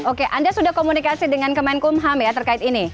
oke anda sudah komunikasi dengan kemenkumham ya terkait ini